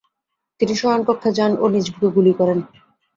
তিনি শয়ণকক্ষে যান ও নিজ বুকে গুলি করেন।